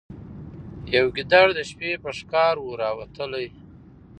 یو ګیدړ د شپې په ښکار وو راوتلی